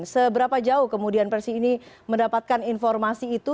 seberapa jauh kemudian persi ini mendapatkan informasi itu